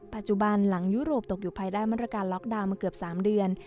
ปัจจุบันหลังยุโรปตกอยู่ภายใต้มาตรการล็อกดาวน์มาเกือบ๓เดือน